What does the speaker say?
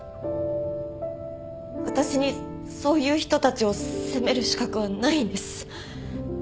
私にそういう人たちを責める資格はないんです。